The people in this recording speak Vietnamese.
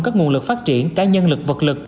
các nguồn lực phát triển cả nhân lực vật lực